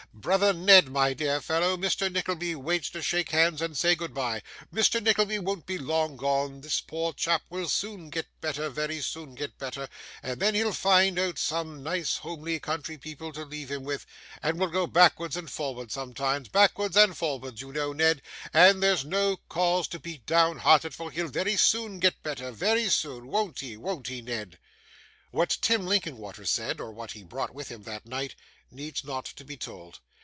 Brother Ned, my dear fellow, Mr. Nickleby waits to shake hands and say goodbye; Mr. Nickleby won't be long gone; this poor chap will soon get better, very soon get better; and then he'll find out some nice homely country people to leave him with, and will go backwards and forwards sometimes backwards and forwards you know, Ned. And there's no cause to be downhearted, for he'll very soon get better, very soon. Won't he, won't he, Ned?' What Tim Linkinwater said, or what he brought with him that night, needs not to be told.